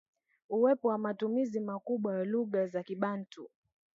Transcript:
Uwepo wa matumizi makubwa wa lugha za kibantu